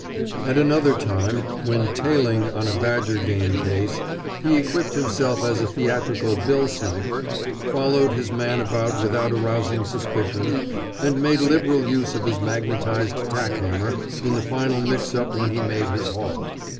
At another time, when "tailing" on a badger game case, he equipped himself as a theatrical "bill sniper," followed his man about without arousing suspicion, and made liberal use of his magnetized tack hammer in the final mix up when he made his haul.